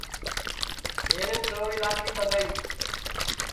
میریپ جݪوݪی لاکڑی ٻگائی